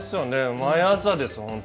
毎朝ですよ。